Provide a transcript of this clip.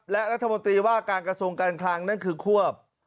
และรัฐมนตรีว่าการกระทรวงการคลังนั่นคือควบ